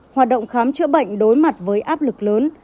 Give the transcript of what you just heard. hoạt động khám chữa bệnh đối mặt với áp lực lớn